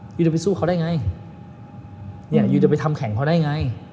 อยู่เดี๋ยวไปสู้เขาได้ไงอยู่เดี๋ยวไปทำแข่งเขาได้ไง